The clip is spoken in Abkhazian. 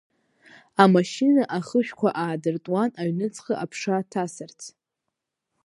Амашьына ахышәқәа аадыртуан, аҩныҵҟа аԥша ҭасырц.